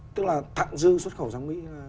tức là thặng dư xuất khẩu sang mỹ